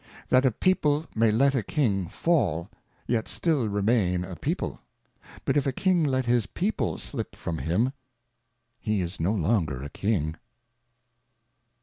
That a People may let a Kinff fall, yet still re main a People; but if a iTm^ let His People slip from him, he is no longer Kini